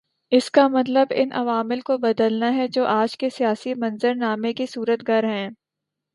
اس کا مطلب ان عوامل کو بدلنا ہے جو آج کے سیاسی منظرنامے کے صورت گر ہیں۔